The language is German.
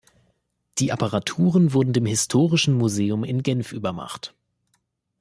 Die Apparaturen wurden dem Historischen Museum in Genf übermacht.